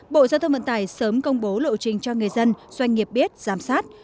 bộ giao thông vận tải sớm công bố lộ trình cho người dân doanh nghiệp biết giám sát